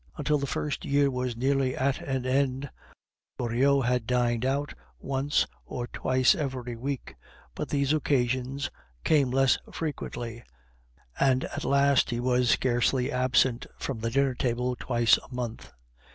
Until the first year was nearly at an end, Goriot had dined out once or twice every week, but these occasions came less frequently, and at last he was scarcely absent from the dinner table twice a month.